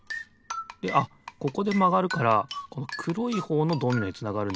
であっここでまがるからこのくろいほうのドミノへつながるんだ。